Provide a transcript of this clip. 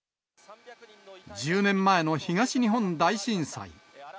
１０年前の東日本大震災。